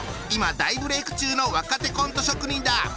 今大ブレーク中の若手コント職人だ！